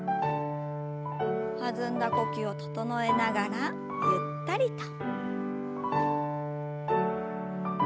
弾んだ呼吸を整えながらゆったりと。